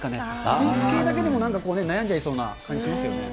スイーツ系だけでも、なんか悩んじゃいそうな感じしますね。